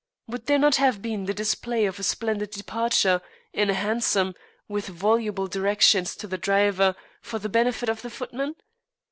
Would there not have been the display of a splendid departure in a hansom with voluble directions to the driver, for the benefit of the footman?